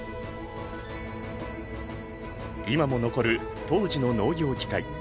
今も残る当時の農業機械。